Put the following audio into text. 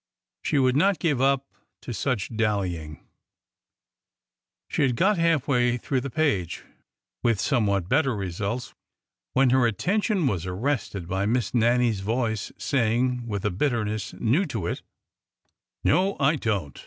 She would not give up to such dallying ! She had got half way through the page, with somewhat better results, when her attention was arrested by Miss Nannie's voice saying, with a bitterness new to it: '' No, I don't